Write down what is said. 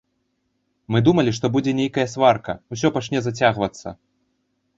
Мы думалі, што будзе нейкая сварка, усё пачне зацягвацца.